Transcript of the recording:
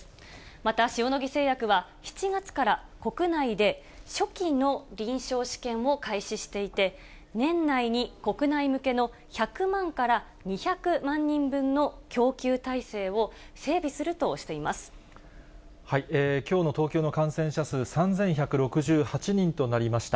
また、塩野義製薬は、７月から国内で初期の臨床試験を開始していて、年内に国内向けの１００万から２００万人分の供給体制を整備すきょうの東京の感染者数、３１６８人となりました。